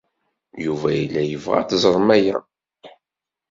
Yuba yella yebɣa ad teẓremt aya.